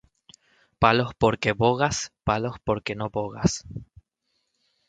Palos porque bogas, palos porque no bogas.